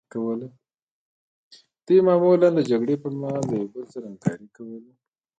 دوی معمولا د جګړې پرمهال له یو بل سره همکاري کوله